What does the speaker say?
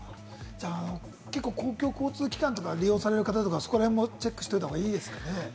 公共交通機関とかを利用される方は、そこら辺もチェックしておいた方がいいですかね？